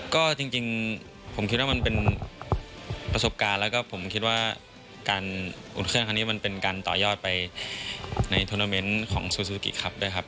ก็จริงผมคิดว่ามันเป็นประสบการณ์แล้วก็ผมคิดว่าการอุ่นเครื่องครั้งนี้มันเป็นการต่อยอดไปในทวนาเมนต์ของซูซูกิครับด้วยครับ